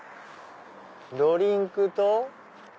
ドリンクと。